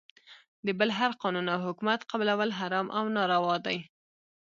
د بل هر قانون او حکومت قبلول حرام او ناروا دی .